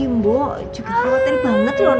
mbok juga khawatir banget loh non